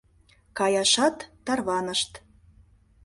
Каяшат тарванышт.